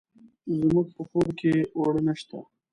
زموږ په کور کې اوړه نشته.